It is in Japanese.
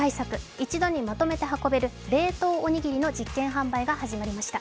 一度にまとめて運べる冷凍おにぎりの実験販売が始まりました。